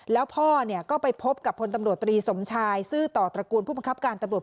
แล้วพ่อก็ไปพบกับพลตำรวจตรีสมชายซื่อต่อตระกูลผู้บังคับการตำรวจ